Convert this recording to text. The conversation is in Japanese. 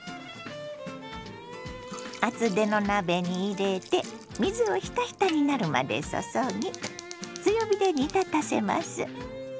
厚手の鍋に入れて水をひたひたになるまで注ぎ強火で煮立たせます。